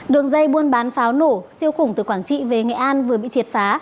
đường dây buôn bán pháo nổ siêu khủng từ quảng trị về nghệ an vừa bị triệt phá